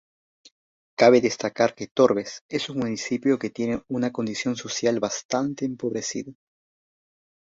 Cabe destacar que Torbes es un municipio que tiene una condición social bastante empobrecida.